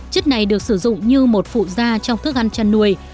chất này được sử dụng như một phụ da trong thức ăn chăn nuôi